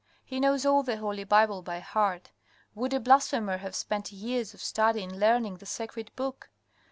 He knows all the Holy Bible by heart. Would a blasphemer have spent years of study in learning the Sacred Book.